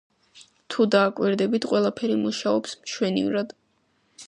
თუ დააკვირდებით, ყველაფერი მუშაობს მშვენივრად.